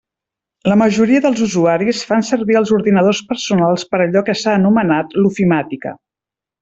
La majoria dels usuaris fan servir els ordinadors personals per allò que s'ha anomenat “l'ofimàtica”.